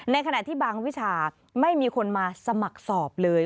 ในขณะที่บางวิชาไม่มีคนมาสมัครสอบเลย